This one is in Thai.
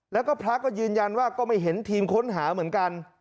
แล้วก็พระก็ยืนยันว่าก็ไม่เห็นทีมค้นหาเหมือนกัน